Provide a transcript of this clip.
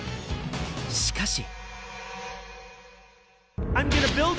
しかし。